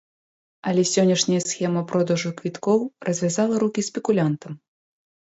Але сённяшняя схема продажу квіткоў развязала рукі спекулянтам.